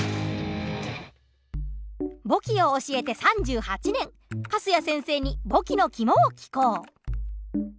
簿記を教えて３８年粕谷先生に簿記のキモを聞こう。